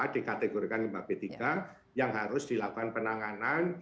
dikategorikan lembaga b tiga yang harus dilakukan penanganan